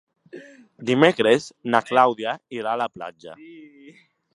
Dimecres na Clàudia irà a la platja.